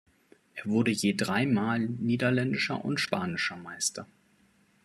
Er wurde je dreimal niederländischer und spanischer Meister.